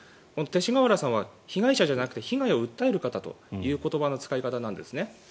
勅使河原さんは被害者じゃなくて被害を訴える方という言葉の使い方なんですね。